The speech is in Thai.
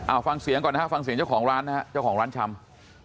เอาฟังเสียงก่อนนะฮะฟังเสียงเจ้าของร้านนะฮะเจ้าของร้านชำ